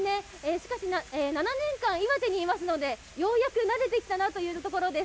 しかし、７年間岩手にいますので、ようやく慣れてきたなというところです。